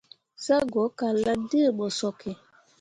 Zah go kallahvd̃ǝǝ ɓo sooke.